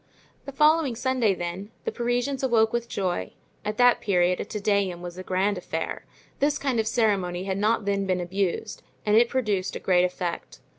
The following Sunday, then, the Parisians arose with joy; at that period a Te Deum was a grand affair; this kind of ceremony had not then been abused and it produced a great effect.